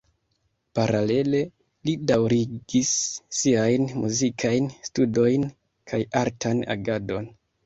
Paralele, li daŭrigis siajn muzikajn studojn kaj artan agadon.